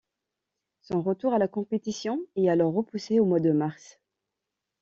Son retour à la compétition est alors repoussé au mois de mars.